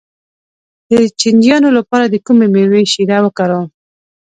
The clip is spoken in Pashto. د چینجیانو لپاره د کومې میوې شیره وکاروم؟